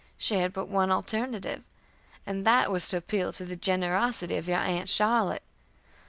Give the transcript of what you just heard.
She had but one alternative, and that was to appeal to the generosity of your aunt Charlotte.